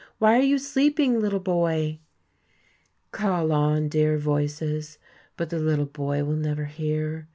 Why are you sleeping, little boy?" Call on, dear voices! but the little boy will never hear.